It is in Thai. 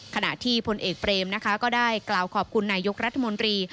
ขณะที่พลเอกเบรมนะคะก็ได้กล่าวขอบคุณนายกรัฐมนตรี